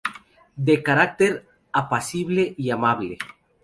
De carácter apacible y amable.